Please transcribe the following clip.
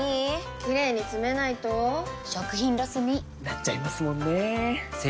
キレイにつめないと食品ロスに．．．なっちゃいますもんねー！